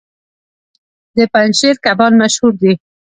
د پنجشیر کبان مشهور دي